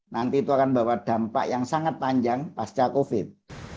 nanti itu akan bawa dampak yang sangat panjang pasca covid